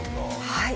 はい。